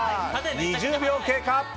２０秒経過。